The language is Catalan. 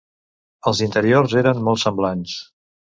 Els interiors eren molt semblants.